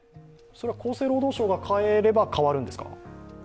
厚生労働省が変えれば変わるんですか？